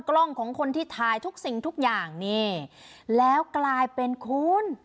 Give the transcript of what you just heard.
กล้องของคนที่ถ่ายทุกสิ่งทุกอย่างนี่แล้วกลายเป็นคุณ